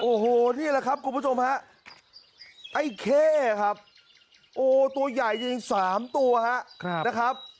โอ้โหนี่ละครับกรุณผู้ชมฮะไอ่แข่ครับโอ้ตัวใหญ่จากอีกสามตัวค่ะ